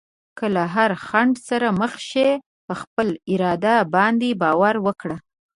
که له هر خنډ سره مخ شې، په خپل اراده باندې باور وکړه.